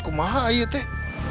kok mahal ya teh